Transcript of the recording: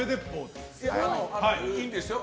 いや、いいんですよ。